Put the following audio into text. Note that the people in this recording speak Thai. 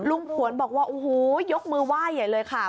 ผวนบอกว่าโอ้โหยกมือไหว้ใหญ่เลยค่ะ